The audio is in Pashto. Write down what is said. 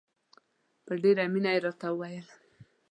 په ډېره مینه یې راته وویل.